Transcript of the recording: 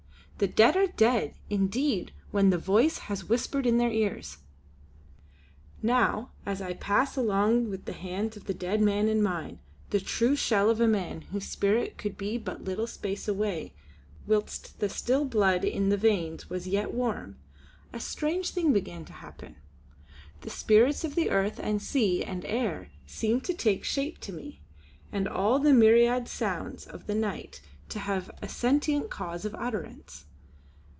The Dead are dead indeed when the Voice has whispered in their ears!" Now, as I passed along with the hands of the dead man in mine the true shell of a man whose spirit could be but little space away whilst the still blood in the veins was yet warm a strange thing began to happen. The spirits of earth and sea and air seemed to take shape to me, and all the myriad sounds of the night to have a sentient cause of utterance.